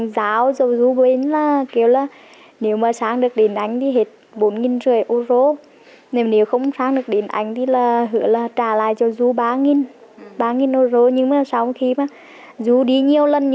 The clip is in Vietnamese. sau khi mất liên lạc từ ngày hai mươi hai tháng một mươi tại pháp